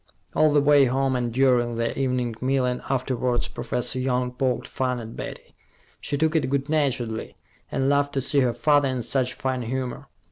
All the way home and during their evening meal and afterwards, Professor Young poked fun at Betty. She took it good naturedly, and laughed to see her father in such fine humor.